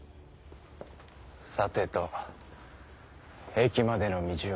さてと駅までの道を。